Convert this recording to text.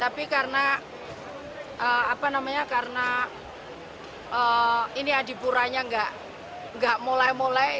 tapi karena apa namanya karena ini adipuranya nggak mulai mulai